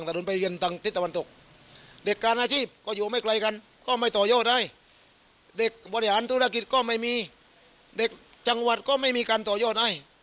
เศรษฐกิจก็ไม่มีเด็กจังหวัดก็ไม่มีการต่อยอดไอ